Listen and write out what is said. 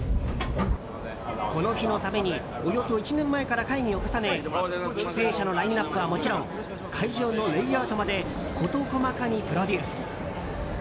この日のためにおよそ１年前から会議を重ね出演者のラインアップはもちろん会場のレイアウトまで事細かにプロデュース。